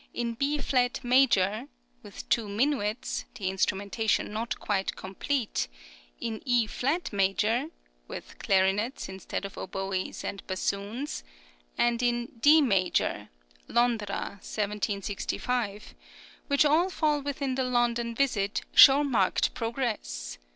in B flat major (with two minuets, the instrumentation not quite complete), in E flat major (with clarinets, instead of oboes, and bassoons), and in D major (Londra, 1765), which all fall within the London visit, show marked progress.